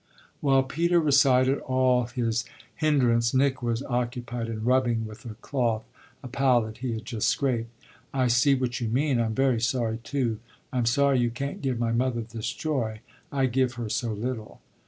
While Peter recited all his hindrance Nick was occupied in rubbing with a cloth a palette he had just scraped. "I see what you mean I'm very sorry too. I'm sorry you can't give my mother this joy I give her so little."